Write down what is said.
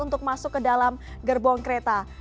untuk masuk ke dalam gerbong kereta